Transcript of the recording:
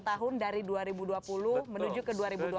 tahun dari dua ribu dua puluh menuju ke dua ribu dua puluh